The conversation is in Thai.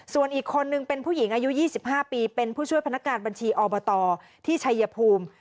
ส่วนอีกคนนึงเป็นผู้หญิงอายุ๒๕ปีเป็นผู้ช่วยพนักการบัญชีอบตที่ชัยภูมิ